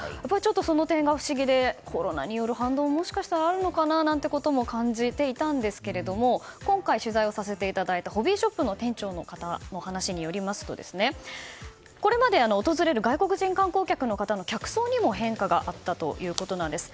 その点が不思議でコロナによる反動もあるのかなと感じていたんですけれども今回取材をさせていただいたホビーショップの店長の方の話によりますとこれまで訪れる外国人観光客の客層にも変化があったということなんです。